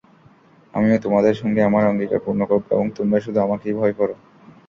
আমিও তোমাদের সঙ্গে আমার অঙ্গীকার পূর্ণ করব এবং তোমরা শুধু আমাকেই ভয় কর।